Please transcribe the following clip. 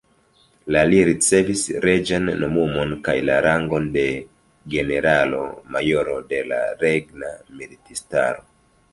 La li ricevis reĝan nomumon kaj la rangon de generalo-majoro de la regna militistaro.